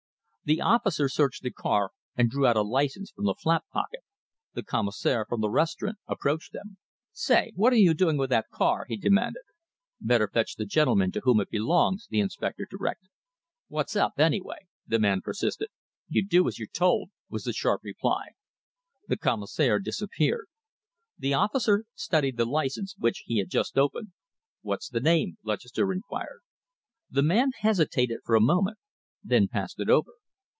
The officer searched the car and drew out a license from the flap pocket. The commissionaire from the restaurant approached them. "Say, what are you doing with that car?" he demanded. "Better fetch the gentleman to whom it belongs," the inspector directed. "What's up, anyway?" the man persisted. "You do as you're told," was the sharp reply. The commissionaire disappeared. The officer studied the license which he had just opened. "What's the name?" Lutchester inquired. The man hesitated for a moment, then passed it over.